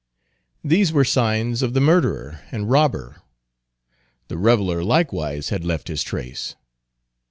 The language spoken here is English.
These were signs of the murderer and robber; the reveler likewise had left his trace.